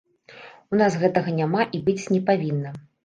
У нас гэтага няма і быць не павінна.